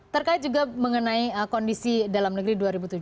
terkait juga mengenai kondisi dalam negeri dua ribu tujuh belas